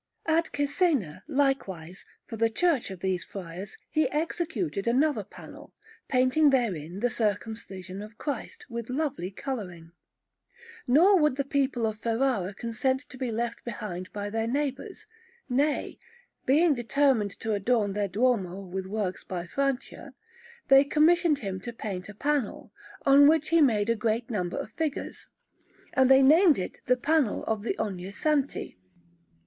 At Cesena, likewise for the church of these friars, he executed another panel, painting therein the Circumcision of Christ, with lovely colouring. Nor would the people of Ferrara consent to be left behind by their neighbours; nay, having determined to adorn their Duomo with works by Francia, they commissioned him to paint a panel, on which he made a great number of figures; and they named it the panel of Ognissanti.